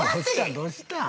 どうしたん？